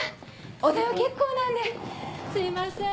お代は結構なんですいません。